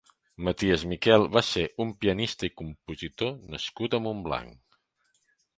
Maties Miquel va ser un pianista i compositor nascut a Montblanc.